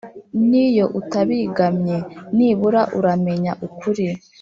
n’iyo utabigamye, nibura uramenya ukuri